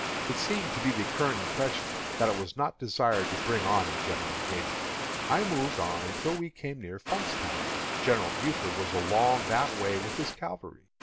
It seemed to be the current impression that it was not desired to bring on a general engagement. I moved on until we came near Funkstown. General Buford was along that way with his cavalry.